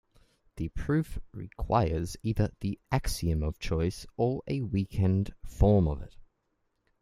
The proof requires either the axiom of choice or a weakened form of it.